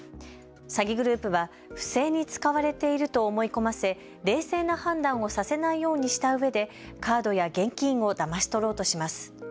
詐欺グループは不正に使われていると思い込ませ冷静な判断をさせないようにしたうえでカードや現金をだまし取ろうとします。